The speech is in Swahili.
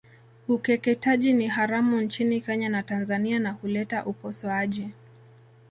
Ukeketaji ni haramu nchini Kenya na Tanzania na huleta ukosoaji